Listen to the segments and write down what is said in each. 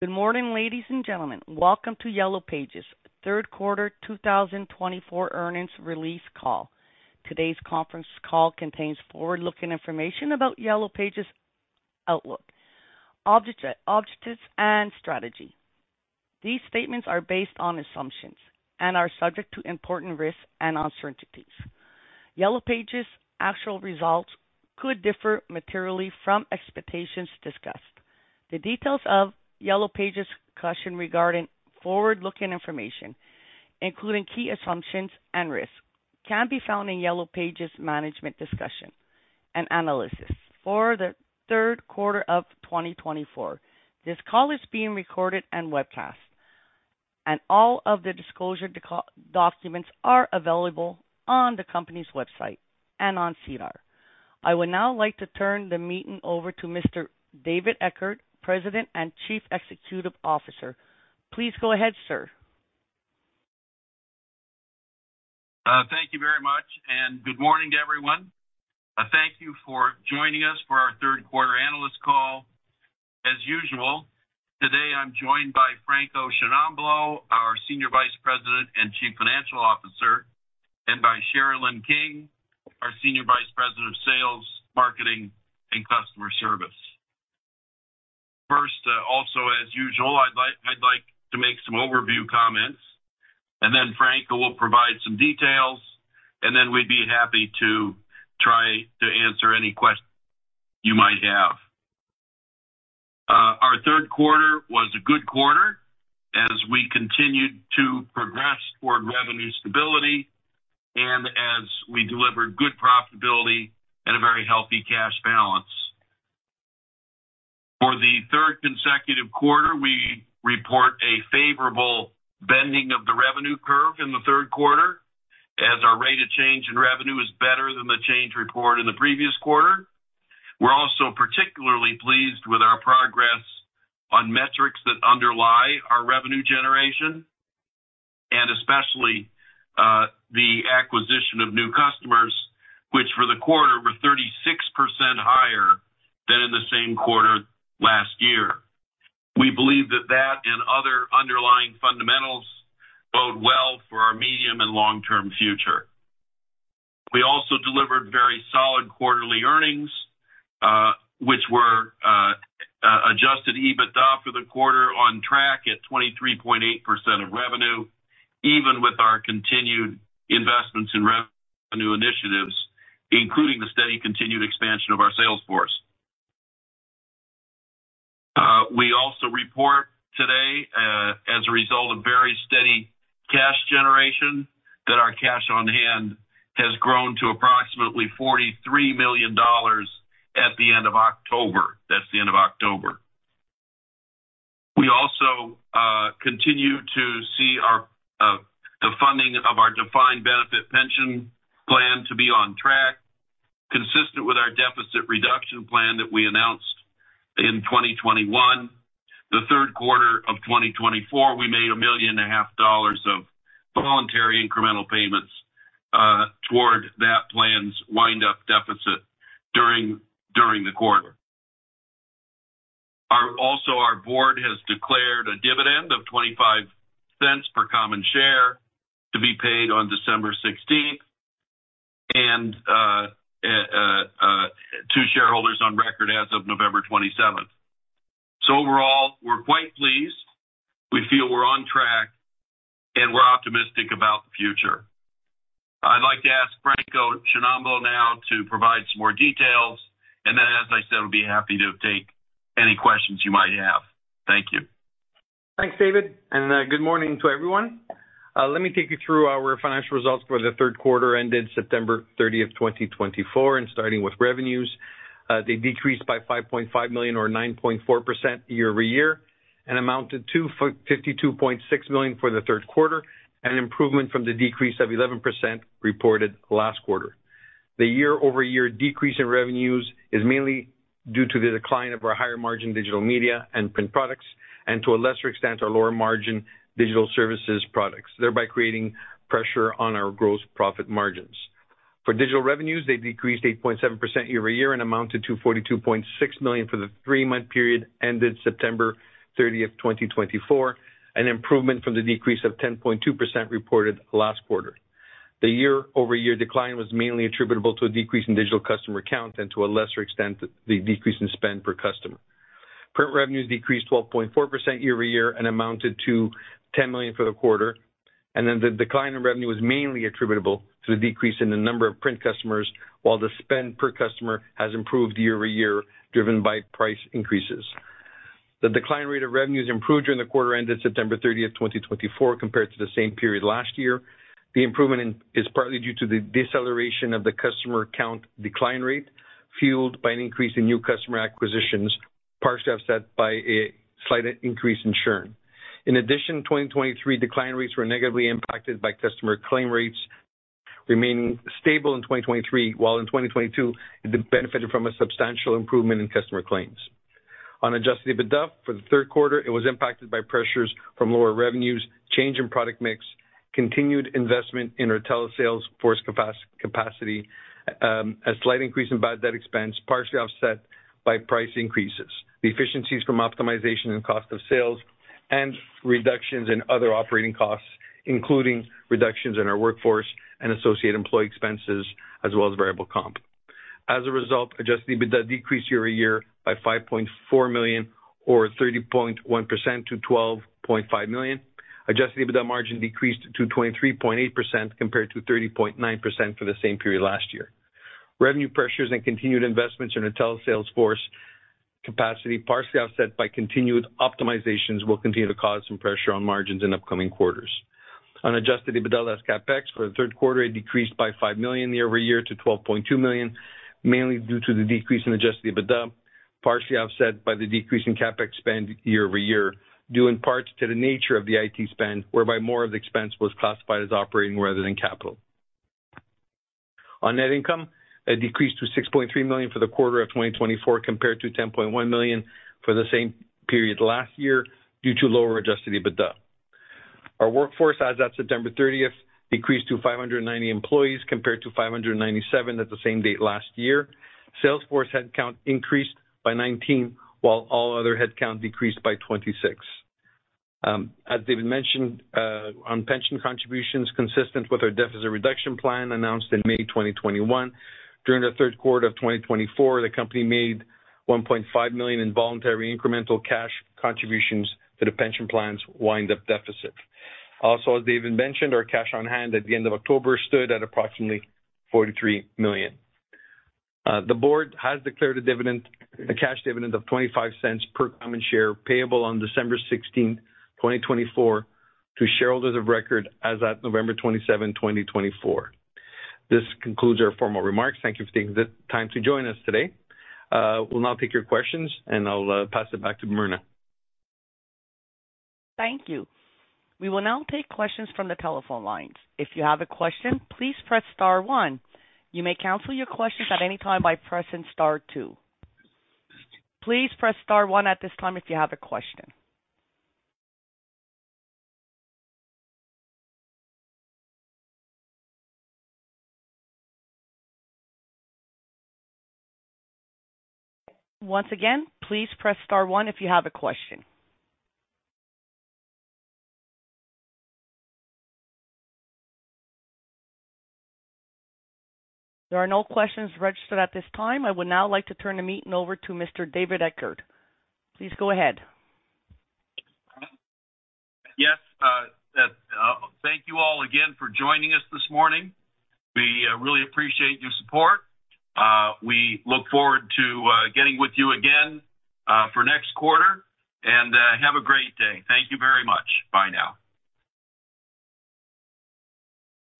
Good morning, ladies and gentlemen. Welcome to Yellow Pages Third Quarter 2024 Earnings Release Call. Today's conference call contains forward-looking information about Yellow Pages Outlook, objectives, and strategy. These statements are based on assumptions and are subject to important risks and uncertainties. Yellow Pages' actual results could differ materially from expectations discussed. The details of Yellow Pages' discussion regarding forward-looking information, including key assumptions and risks, can be found in Yellow Pages' management discussion and analysis for the third quarter of 2024. This call is being recorded and webcast, and all of the disclosure documents are available on the company's website and on SEDAR. I would now like to turn the meeting over to Mr. David Eckert, President and Chief Executive Officer. Please go ahead, sir. Thank you very much, and good morning, everyone. Thank you for joining us for our Third Quarter Analyst Call. As usual, today I'm joined by Franco Sciannamblo, our Senior Vice President and Chief Financial Officer, and by Sherilyn King, our Senior Vice President of Sales, Marketing, and Customer Service. First, also, as usual, I'd like to make some overview comments, and then Franco will provide some details, and then we'd be happy to try to answer any questions you might have. Our third quarter was a good quarter as we continued to progress toward revenue stability and as we delivered good profitability and a very healthy cash balance. For the third consecutive quarter, we report a favorable bending of the revenue curve in the third quarter as our rate of change in revenue is better than the change reported in the previous quarter. We're also particularly pleased with our progress on metrics that underlie our revenue generation, and especially the acquisition of new customers, which for the quarter were 36% higher than in the same quarter last year. We believe that that and other underlying fundamentals bode well for our medium and long-term future. We also delivered very solid quarterly earnings, which were Adjusted EBITDA for the quarter on track at 23.8% of revenue, even with our continued investments in revenue initiatives, including the steady continued expansion of our sales force. We also report today, as a result of very steady cash generation, that our cash on hand has grown to approximately 43 million dollars at the end of October. That's the end of October. We also continue to see the funding of our defined benefit pension plan to be on track, consistent with our deficit reduction plan that we announced in 2021. the third quarter of 2024, we made 1.5 million of voluntary incremental payments toward that plan's wind-up deficit during the quarter. Also, our board has declared a dividend of 0.25 per common share to be paid on December 16th to shareholders of record as of November 27th. Overall, we're quite pleased. We feel we're on track, and we're optimistic about the future. I'd like to ask Franco Sciannamblo now to provide some more details, and then, as I said, we'll be happy to take any questions you might have. Thank you. Thanks, David, and good morning to everyone. Let me take you through our financial results for the third quarter ended September 30th, 2024. Starting with revenues, they decreased by 5.5 million, or 9.4% year-over-year, and amounted to 52.6 million for the third quarter, an improvement from the decrease of 11% reported last quarter. The year-over-year decrease in revenues is mainly due to the decline of our higher margin digital media and print products, and to a lesser extent, our lower margin digital services products, thereby creating pressure on our gross profit margins. For digital revenues, they decreased 8.7% year-over-year and amounted to 42.6 million for the three-month period ended September 30th, 2024, an improvement from the decrease of 10.2% reported last quarter. The year-over-year decline was mainly attributable to a decrease in digital customer count and to a lesser extent, the decrease in spend per customer. Print revenues decreased 12.4% year-over-year and amounted to 10 million for the quarter, and then the decline in revenue was mainly attributable to the decrease in the number of print customers, while the spend per customer has improved year-over-year, driven by price increases. The decline rate of revenues improved during the quarter ended September 30th, 2024, compared to the same period last year. The improvement is partly due to the deceleration of the customer count decline rate, fueled by an increase in new customer acquisitions, partially offset by a slight increase in churn. In addition, 2023 decline rates were negatively impacted by customer claim rates, remaining stable in 2023, while in 2022, it benefited from a substantial improvement in customer claims. On adjusted EBITDA for the third quarter, it was impacted by pressures from lower revenues, change in product mix, continued investment in our telesales force capacity, a slight increase in bad debt expense, partially offset by price increases, the efficiencies from optimization and cost of sales, and reductions in other operating costs, including reductions in our workforce and associated employee expenses, as well as variable comp. As a result, adjusted EBITDA decreased year-over-year by 5.4 million, or 30.1% to 12.5 million. Adjusted EBITDA margin decreased to 23.8% compared to 30.9% for the same period last year. Revenue pressures and continued investments in our telesales force capacity, partially offset by continued optimizations, will continue to cause some pressure on margins in upcoming quarters. On Adjusted EBITDA and CapEx for the third quarter, it decreased by 5 million year-over-year to 12.2 million, mainly due to the decrease in Adjusted EBITDA, partially offset by the decrease in CapEx spend year-over-year, due in part to the nature of the IT spend, whereby more of the expense was classified as operating rather than capital. On net income, it decreased to 6.3 million for the quarter of 2024, compared to 10.1 million for the same period last year due to lower Adjusted EBITDA. Our workforce, as of September 30th, decreased to 590 employees, compared to 597 at the same date last year. Sales force headcount increased by 19, while all other headcount decreased by 26. As David mentioned, on pension contributions, consistent with our deficit reduction plan announced in May 2021, during the third quarter of 2024, the company made 1.5 million in voluntary incremental cash contributions to the pension plan's wind-up deficit. Also, as David mentioned, our cash on hand at the end of October stood at approximately 43 million. The board has declared a cash dividend of 0.25 per common share payable on December 16th, 2024, to shareholders of record as of November 27th, 2024. This concludes our formal remarks. Thank you for taking the time to join us today. We'll now take your questions, and I'll pass it back to Mirna. Thank you. We will now take questions from the telephone lines. If you have a question, please press star one. You may cancel your questions at any time by pressing star two. Please press star one at this time if you have a question. Once again, please press star one if you have a question. There are no questions registered at this time. I would now like to turn the meeting over to Mr. David Eckert. Please go ahead. Yes. Thank you all again for joining us this morning. We really appreciate your support. We look forward to getting with you again for next quarter, and have a great day. Thank you very much. Bye now.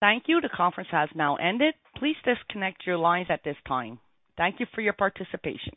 Thank you. The conference has now ended. Please disconnect your lines at this time. Thank you for your participation.